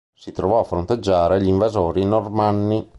Si trovò a fronteggiare gli invasori normanni.